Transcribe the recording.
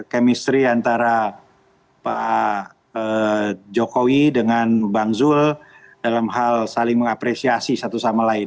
kemistri antara pak jokowi dengan bang zul dalam hal saling mengapresiasi satu sama lain